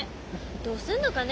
どうすんのかね